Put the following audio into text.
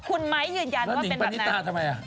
คุณไม้ยืนยันว่าเป็นแบบนั้น